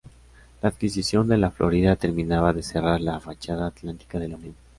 La adquisición de la Florida terminaba de cerrar la fachada atlántica de la Unión.